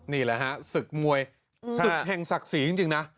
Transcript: นี่แหละฮะศึกมวยศึกแห่งศักดิ์ศรีจริงนะ